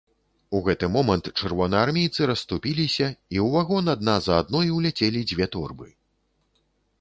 У гэты момант чырвонаармейцы расступіліся і ў вагон адна за адной уляцелі дзве торбы.